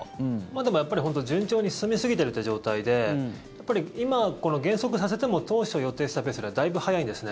でも、本当に順調に進みすぎてるという状態でやっぱり今、減速させても当初予定してたペースよりはだいぶ速いんですね。